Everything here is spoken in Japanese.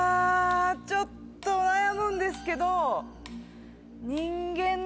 ちょっと悩むんですけど人間の血管。